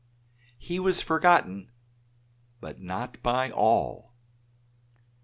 He was forgotten, but not by all.